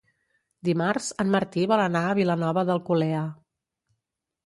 Dimarts en Martí vol anar a Vilanova d'Alcolea.